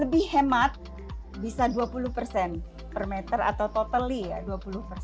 lebih hemat bisa dua puluh per meter atau totalnya dua puluh